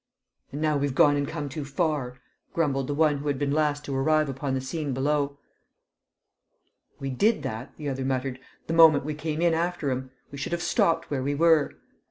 "And now we've gone and come too far!" grumbled the one who had been last to arrive upon the scene below. "We did that," the other muttered, "the moment we came in after 'em. We should've stopped where we were."